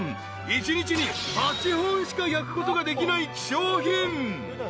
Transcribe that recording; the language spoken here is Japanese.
［一日に８本しか焼くことができない希少品］